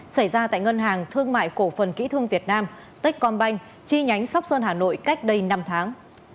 xảy ra tại ngân hàng thương mại cổ phần kỹ thương việt nam techcombank chi nhánh sóc sơn hà nội cách đây năm tháng